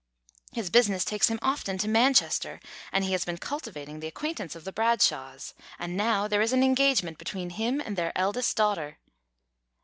"His business takes him often to Manchester, and he has been cultivating the acquaintance of the Bradshaws. And now there is an engagement between him and their eldest daughter."